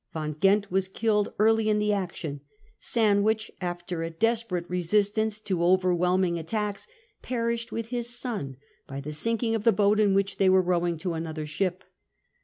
Van Ghent was killed early in the action. Sandwich, after a desperate resistance to overwhelming attacks, perished with his son by the sinking of the boat in which they were rowing to another ship.